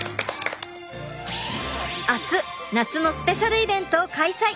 明日夏のスペシャルイベントを開催。